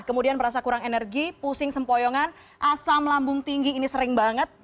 kemudian merasa kurang energi pusing sempoyongan asam lambung tinggi ini sering banget